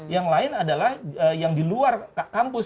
yang lain adalah yang di luar kampus